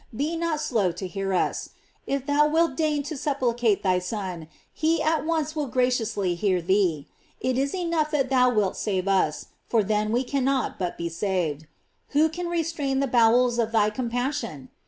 Be not slow to hear us. If thou wilt deign to supplicate thy Son, he at once will graciously hear thee. It is enough that thou wilt save us, for then we cannot but be saved. Who can restrain the bowels of thy compassion?